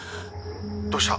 どうした？